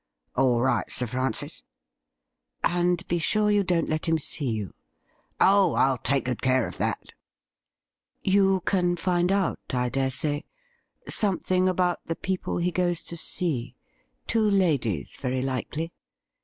' All right. Sir Francis.' ' And be sure you don't let him see you.' ' Oh, ril take good care of that.' 'You can find out, I dare say, something about the people he goes to see — two ladies, very likely.